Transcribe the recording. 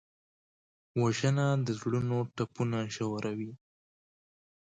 وژنه د زړونو ټپونه ژوروي